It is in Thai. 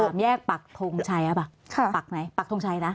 สามแยกปักธงชัยปักไหนปักธงชัยนะ